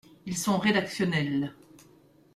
Ils sont rédactionnels.